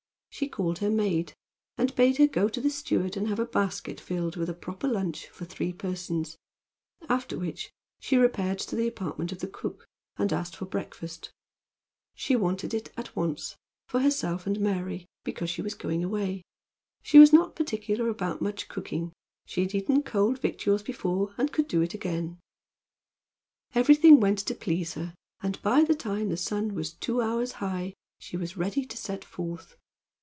She called her maid, and bade her go to the steward and have a basket filled with a proper lunch for three persons, after which she repaired to the apartment of the cook and asked for breakfast. She wanted it at once for herself and Mary because she was going away. She was not particular about much cooking. She had eaten cold victuals before, and could do it again. Everything went to please her, and by the time the sun was two hours high she was ready to set forth.